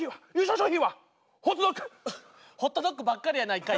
ホットドッグ！ホットドッグばっかりやないかい。